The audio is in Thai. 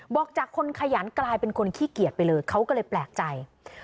จากคนขยันกลายเป็นคนขี้เกียจไปเลยเขาก็เลยแปลกใจ